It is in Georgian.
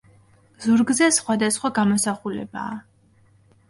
ზურგზე სხვადასხვა გამოსახულებაა.